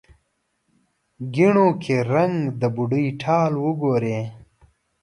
ګېڼو کې رنګ، د بوډۍ ټال وګورې